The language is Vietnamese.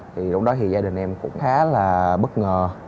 thì lúc đó thì gia đình em cũng khá là bất ngờ